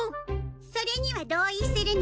それには同意するの。